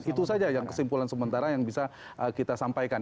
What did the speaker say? itu saja yang kesimpulan sementara yang bisa kita sampaikan